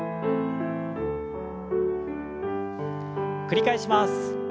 繰り返します。